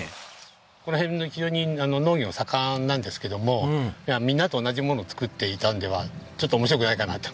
この辺非常に農業が盛んなんですけどもみんなと同じもの作っていたんではちょっと面白くないかなと。